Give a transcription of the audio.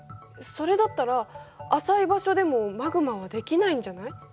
それだったら浅い場所でもマグマはできないんじゃない？